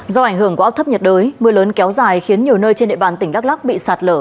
do ảnh hưởng của áp thấp nhiệt đới mưa lớn kéo dài khiến nhiều nơi trên địa bàn tỉnh đắk lắc bị sạt lở